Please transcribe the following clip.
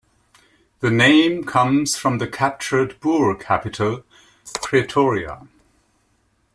The name comes from the captured Boer capital, Pretoria.